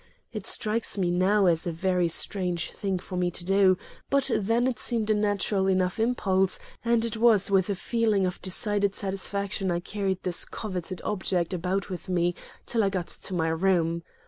It strikes me now as a very strange thing for me to do, but then it seemed a natural enough impulse; and it was with a feeling of decided satisfaction I carried this coveted object about with me till I got to my room.